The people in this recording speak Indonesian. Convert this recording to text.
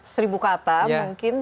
seribu kata mungkin